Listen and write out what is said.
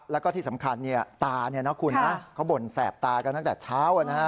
แล้วก็ที่สำคัญตาคุณนะเขาบ่นแสบตากันตั้งแต่เช้า